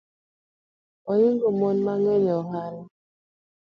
Oingo mon mang’eny gohala